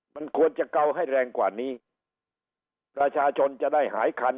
มันควรจะเกาให้แรงกว่านี้ประชาชนจะได้หายคัน